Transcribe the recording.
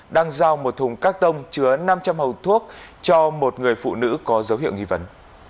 đang giao một thùng các tông chứa năm trăm linh hồ thuốc cho một người phụ nữ có dấu hiệu nghi vấn